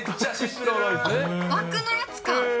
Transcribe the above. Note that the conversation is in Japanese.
枠のやつか。